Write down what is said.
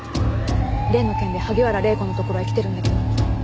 例の件で萩原礼子のところへ来てるんだけど。